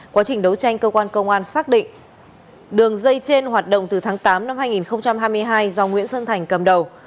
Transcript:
quá trình đấu tranh cơ quan công an xác định đường dây trên hoạt động từ tháng tám năm hai nghìn hai mươi hai do nguyễn xuân thành cầm đầu